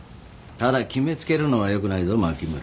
ただ決め付けるのはよくないぞ牧村。